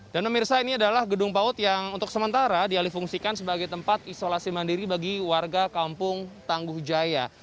pemirsa ini adalah gedung paut yang untuk sementara dialih fungsikan sebagai tempat isolasi mandiri bagi warga kampung tangguh jaya